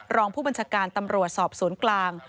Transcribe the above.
รองผู้บัญชาการตำรวจสอบสวนกลาง